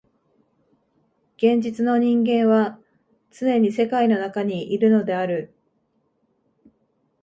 現実の人間はつねに世界の中にいるのである。